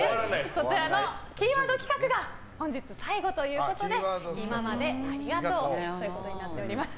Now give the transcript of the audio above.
こちらのキーワード企画が本日最後ということで今までありがとうとなっております。